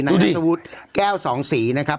นายชาวุธแก้วสองศรีนะครับ